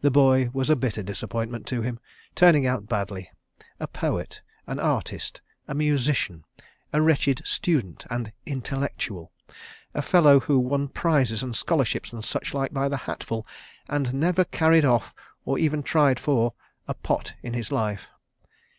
The boy was a bitter disappointment to him, turning out badly—a poet, an artist, a musician, a wretched student and "intellectual," a fellow who won prizes and scholarships and suchlike by the hatful, and never carried off, or even tried for, a "pot," in his life.